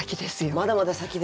まだまだ先ですか。